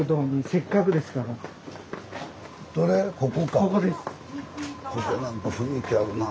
ここなんか雰囲気あるなぁ。